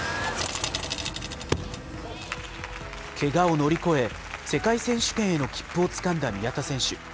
けがを乗り越え、世界選手権への切符をつかんだ宮田選手。